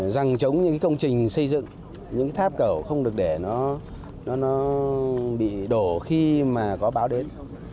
rằng chống những công trình xây dựng những tháp cầu không được để nó bị đổ khi mà có bão đến